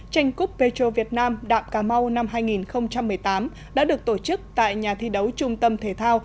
tranh cúp petro việt nam đạm cà mau năm hai nghìn một mươi tám đã được tổ chức tại nhà thi đấu trung tâm thể thao